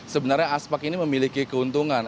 sebenarnya aspak ini memiliki keuntungan